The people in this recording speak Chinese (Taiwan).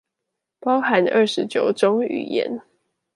包含二十九種語言